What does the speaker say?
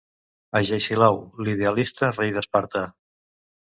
Ageisilau, l'idealista rei d'Esparta